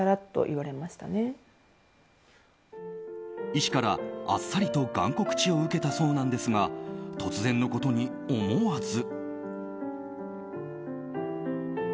医師からあっさりとがん告知を受けたそうなんですが突然のことに、思わず。